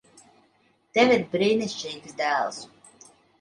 Tev ir brīnišķīgs dēls.